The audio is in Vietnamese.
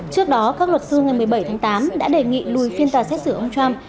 trước đó các luật sư ngày một mươi bảy tháng tám đã đề nghị lùi phiên tòa xét xử ông trump